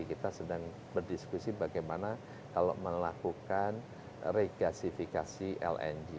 kita sedang berdiskusi bagaimana kalau melakukan regasifikasi lng